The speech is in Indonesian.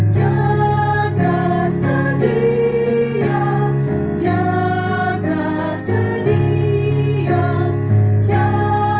jaga sedia jaga sedia jaga sedia berjaga dan bersedia